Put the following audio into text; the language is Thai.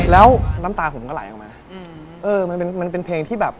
แล้วน้ำตาผมก็ไหลออกมาเออมันเป็นเพลงที่แบบ